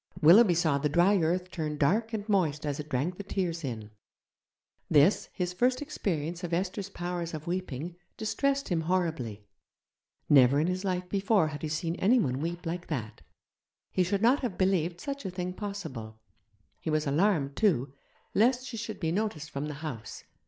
Willoughby saw the dry earth turn dark and moist as it drank the tears in. This, his first experience of Esther's powers of weeping, distressed him horribly; never in his life before had he seen anyone weep like that, he should not have believed such a thing possible; he was alarmed, too, lest she should be noticed from the house.